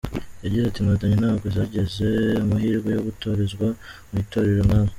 Yagize ati "Inkotanyi ntabwo zagize amahirwe yo gutorezwa mu itorero nkamwe.